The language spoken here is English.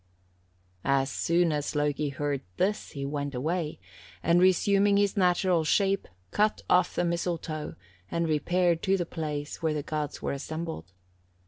"As soon as Loki heard this he went away, and, resuming his natural shape, cut off the mistletoe, and repaired to the place where the gods were assembled.